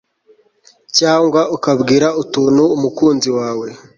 cyangwa ukabwira utuntu umukunzi wawe